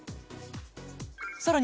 さらに